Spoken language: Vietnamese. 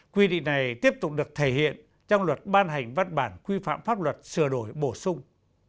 quy định này tiếp tục được thể hiện trong luật ban hành văn bản quy phạm pháp luật sửa đổi bổ sung